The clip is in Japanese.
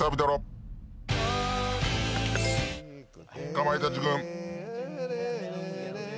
かまいたち軍。